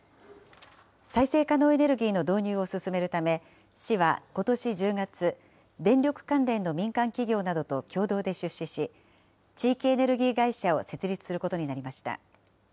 再生可能エネルギーの導入を進めるため、市はことし１０月、電力関連の民間企業などと共同で出資し、地域エネルギー会社を設立することになりました。